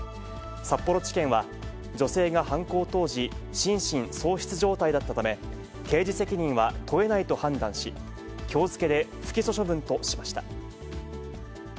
札幌地検は、女性が犯行当時、心神喪失状態だったため、刑事責任は問えないと判断し、きょう付けで不起訴処分としました。